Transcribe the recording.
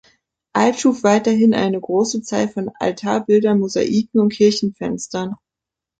Alt schuf weiterhin eine große Zahl von Altarbildern, Mosaiken und Kirchenfenstern.